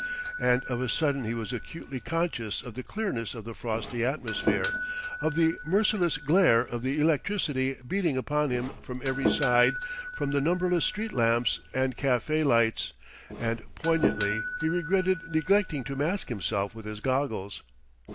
And of a sudden he was acutely conscious of the clearness of the frosty atmosphere, of the merciless glare of electricity beating upon him from every side from the numberless street lamps and café lights. And poignantly he regretted neglecting to mask himself with his goggles.